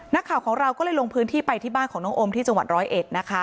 นักข่าวของเราก็เลยลงพื้นที่ไปที่บ้านของน้องโอมที่จังหวัดร้อยเอ็ดนะคะ